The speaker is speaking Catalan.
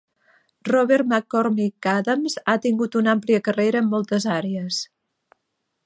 Robert McCormick Adams ha tingut una àmplia carrera en moltes àrees.